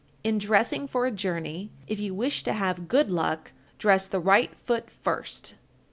1385. In dressing for a journey, if you wish to have good luck, dress the right foot first.